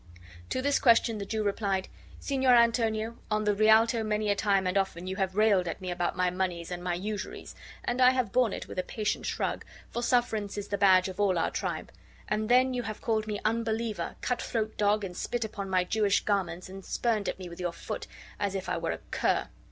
To this question the Jew replied: "Signor Antonio, on the Rialto many a time and often you have railed at me about my moneys and my usuries, and I have borne it with a patient shrug, for sufferance is the badge of all our tribe; and then you have called me unbeliever, cutthroat dog, and spit upon my Jewish garments, and spurned at me with your foot, as if I was a cur.